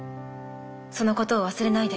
そのことを忘れないで。